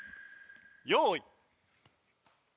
用意。